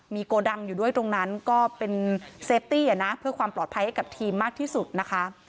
มีโกดังอยู่ด้วยตรงนั้นก็เป็นเซฟตี้อะนะเพื่อความปลอดภัยให้กับทีมมากที่สุดนะคะ